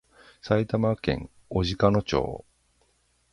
埼玉県小鹿野町